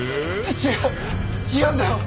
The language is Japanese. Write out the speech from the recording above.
違う違うんだよ。